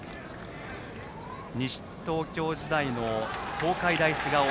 西東京時代の東海大菅生。